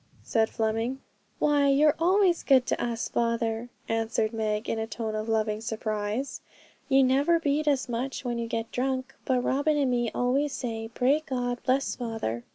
said Fleming. 'Why, you're always good to us, father,' answered Meg, in a tone of loving surprise. 'You never beat us much when you get drunk. But Robin and me always say, "Pray God, bless father."